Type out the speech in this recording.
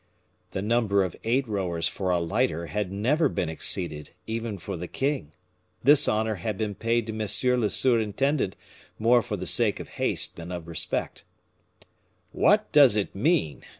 The number of eight rowers for a lighter had never been exceeded, even for the king. This honor had been paid to monsieur le surintendant, more for the sake of haste than of respect. "What does it mean?"